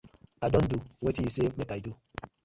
I don do wetin yu say mak I do.